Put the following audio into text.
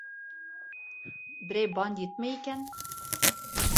Берәй бандитмы икән?